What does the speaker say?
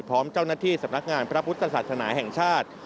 พร้อมเจ้าหน้าที่สำนักงานพระพุทธศาสนาแห่งชาติ